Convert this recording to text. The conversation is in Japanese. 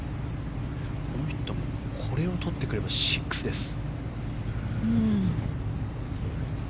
この人もこれを取ってくれば６です。